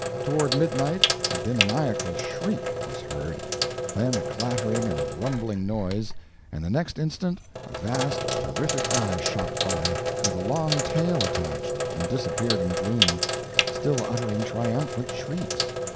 Toward midnight a demoniacal shriek was heard, then a clattering and rumbling noise, and the next instant a vast terrific eye shot by, with a long tail attached, and disappeared in the gloom, still uttering triumphant shrieks.